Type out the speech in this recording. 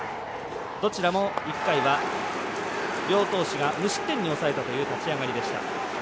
どちらも１回は両投手が無失点に抑えたという立ち上がりでした。